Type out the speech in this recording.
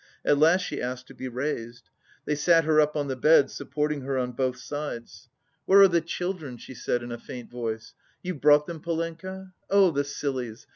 At last she asked to be raised. They sat her up on the bed, supporting her on both sides. "Where are the children?" she said in a faint voice. "You've brought them, Polenka? Oh the sillies!